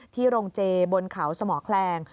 โรงเจบนเขาสมแคลง